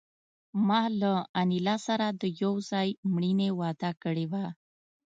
ما له انیلا سره د یو ځای مړینې وعده کړې وه